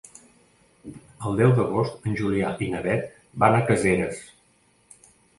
El deu d'agost en Julià i na Beth van a Caseres.